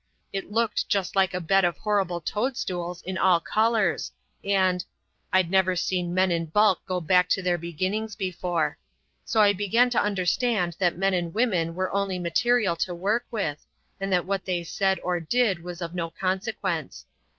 It looked just like a bed of horrible toadstools in all colours, and—I'd never seen men in bulk go back to their beginnings before. So I began to understand that men and women were only material to work with, and that what they said or did was of no consequence.